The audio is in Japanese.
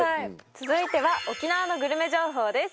続いては沖縄のグルメ情報です